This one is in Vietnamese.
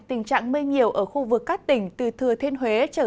tình trạng mây nhiều ở khu vực các tỉnh từ thừa thiên huế trở